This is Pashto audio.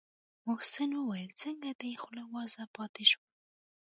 محسن وويل څنگه دې خوله وازه پاته شوه.